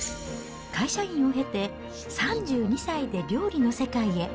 会社員を経て３２歳で料理の世界へ。